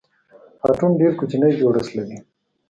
اټوم ډېر کوچنی جوړښت لري.